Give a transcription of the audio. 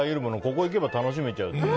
ここ行けば楽しめちゃうという。